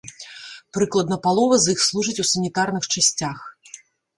Прыкладна палова з іх служаць у санітарных часцях.